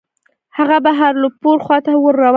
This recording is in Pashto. هغه بهاولپور خواته ور روان شو.